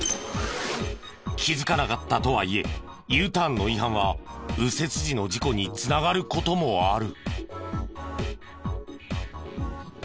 気づかなかったとはいえＵターンの違反は右折時の事故に繋がる事もある。